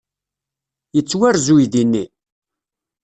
Yettwarez uydi-nni?